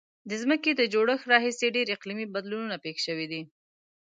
د ځمکې له جوړښت راهیسې ډیر اقلیمي بدلونونه پیښ شوي دي.